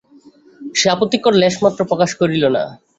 সে আপত্তির লেশমাত্রও প্রকাশ করিল না।